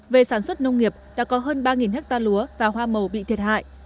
về sản xuất nông nghiệp đã có hơn ba ha lúa và hoa màu bị thiệt hại